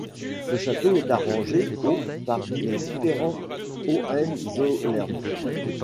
Le château est arrangé au par les différents Hohenzollern.